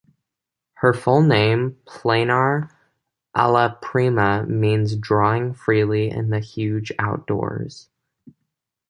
Her full name, Pleinair Allaprima, means "drawing freely in the huge outdoors".